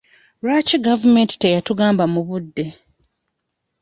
Lwaki gavumenti teyatugamba mu budde?